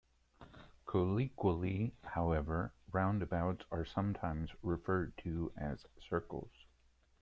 Colloquially, however, roundabouts are sometimes referred to as circles.